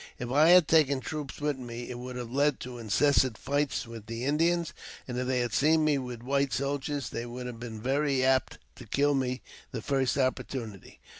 If I ha(J taken troops with me, it would have led to incessant fights with the Indians ; and if they had seen me with white soldiers^ they would have been very apt to kill me the first opportunity.